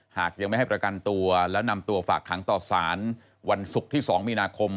หากยังไม่ให้ประกันตัวแล้วนำตัวฝากขังต่อสารวันศุกร์ที่๒มีนาคม